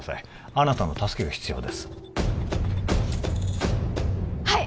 あなたの助けが必要ですはい！